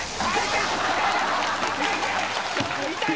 痛い！